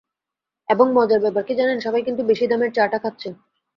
এবং মজার ব্যাপার কী জানেন, সবাই কিন্তু বেশি দামের চাটা খাচ্ছে।